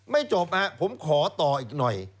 ไม่จบนะครับผมขอต่ออีกหน่อย